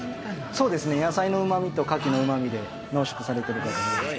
そうですね、野菜のうまみとカキのうまみで濃縮されてるかと思います。